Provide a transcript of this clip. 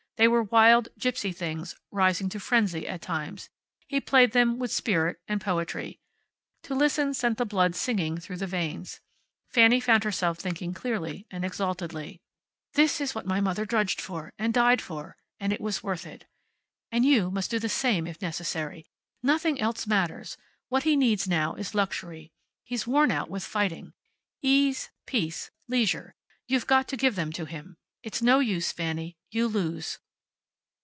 They were wild, gypsy things, rising to frenzy at times. He played them with spirit and poetry. To listen sent the blood singing through the veins. Fanny found herself thinking clearly and exaltedly. "This is what my mother drudged for, and died for, and it was worth it. And you must do the same, if necessary. Nothing else matters. What he needs now is luxury. He's worn out with fighting. Ease. Peace. Leisure. You've got to give them to him. It's no use, Fanny. You lose."